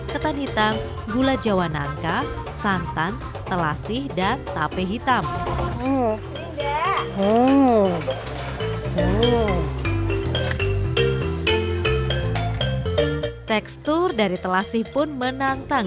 ketan hitam gula jawa nangka santan telasi dan tape hitam tekstur dari telasi pun menantang